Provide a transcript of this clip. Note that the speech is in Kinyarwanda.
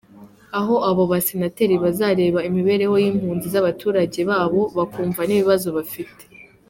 Aho abo basenateri bazareba imibereho y’impunzi z’abaturage babo, bakumva n’ibibazo bafite.